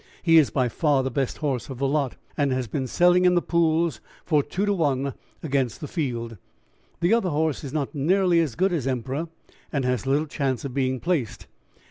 He is by far the best horse of the lot, and has been selling in the pools for two to one against the field. The other horse is not nearly as good as Emperor, and has little chance of being placed.